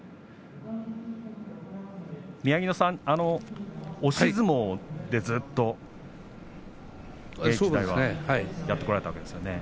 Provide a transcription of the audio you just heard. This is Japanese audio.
宮城野さん、押し相撲でずっと現役時代はやってこられたわけですね。